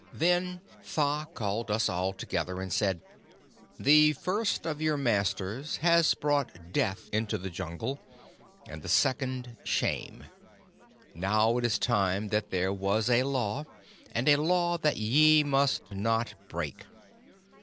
"Then Tha called us all together and said: 'The first of your masters has brought Death into the Jungle, and the second Shame. Now it is time there was a Law, and a Law that ye must not break.